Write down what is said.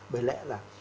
bởi lẽ là